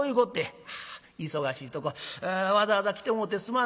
「忙しいとこわざわざ来てもうてすまなんだ。